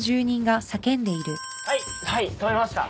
はいはい止めました。